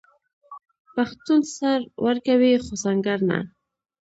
پښتون سر ورکوي خو سنګر نه.